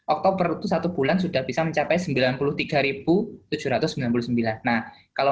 tiga puluh satu dua ratus dua puluh oktober satu bulan sudah bisa mencapai sembilan puluh tiga tujuh ratus sembilan puluh sembilan nah kalau